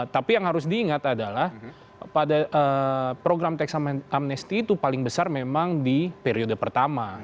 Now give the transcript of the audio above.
tapi yang harus diingat adalah pada program teks amnesti itu paling besar memang di periode pertama